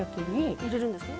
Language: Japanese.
入れるんですね？